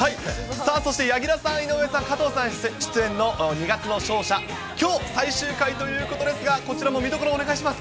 さあ、そして柳楽さん、井上さん、加藤さん出演の二月の勝者、きょう最終回ということですが、こちらの見どころ、お願いします。